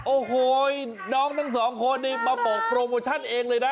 โอ้โหน้องทั้งสองคนนี้มาบอกโปรโมชั่นเองเลยนะ